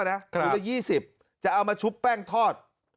ถุงละ๒๐จะเอามาชุบแป้งทอด